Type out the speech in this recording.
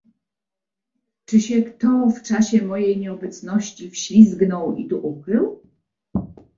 "Czy się kto w czasie mojej nieobecności wślizgnął i tu ukrył?"